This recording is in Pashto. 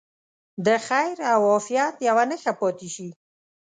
د خیر او عافیت یوه نښه پاتې شي.